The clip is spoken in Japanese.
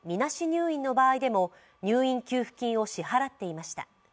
入院の場合でも入院給付金を支払っていました。